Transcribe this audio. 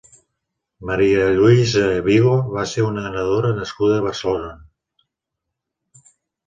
Maria Lluïsa Vigo va ser una nedadora nascuda a Barcelona.